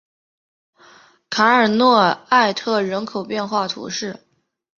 卡尔诺埃特人口变化图示